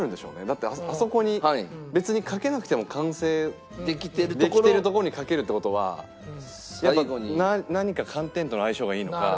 だってあそこに別にかけなくても完成できてるところにかけるって事はやっぱ何か寒天との相性がいいのか。